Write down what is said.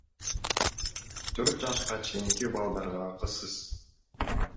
Төрт жашка чейинки балдарга акысыз.